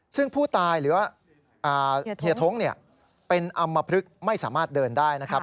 ซึ่งผู้ตายหรือว่าเฮียท้งเป็นอำมพลึกไม่สามารถเดินได้นะครับ